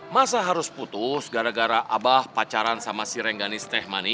masa harus putus gara gara abah pacaran dengan neteh